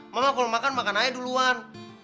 mama kalo mau makan makan aja duluan